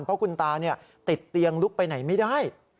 เพราะคุณตาติดเตียงลุกไปไหนไม่ได้